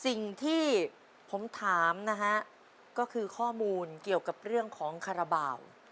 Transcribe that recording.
สิ่งที่ผมถามนะฮะก็คือข้อมูลเกี่ยวกับเรื่องของคาราบาล